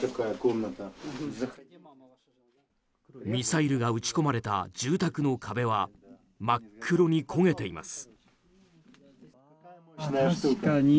ミサイルが撃ち込まれた住宅の壁は真っ黒に焦げています。